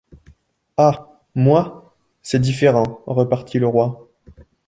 Ah! moi ! c’est différent, repartit le roi.